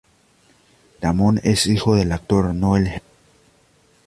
Damon es hijo del actor Noel Herriman.